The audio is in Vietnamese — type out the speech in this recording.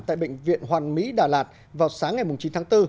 tại bệnh viện hoàn mỹ đà lạt vào sáng ngày chín tháng bốn